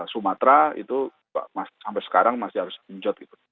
sumatera itu sampai sekarang masih harus digenjot